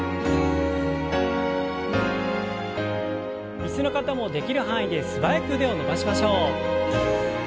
椅子の方もできる範囲で素早く腕を伸ばしましょう。